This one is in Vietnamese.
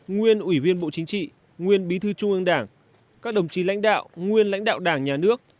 nguyên ủy viên bộ chính trị nguyên bí thư trung ương đảng các đồng chí lãnh đạo nguyên lãnh đạo đảng nhà nước